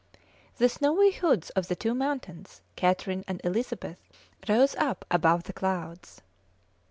The snowy hoods of the two mountains, Catherine and Elizabeth, rose up above the clouds.